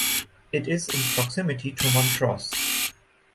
It is in proximity to Montrose.